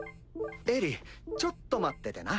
エリィちょっと待っててな。